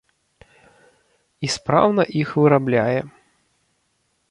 І спраўна іх вырабляе.